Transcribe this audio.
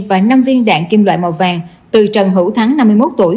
và năm viên đạn kim loại màu vàng từ trần hữu thắng năm mươi một tuổi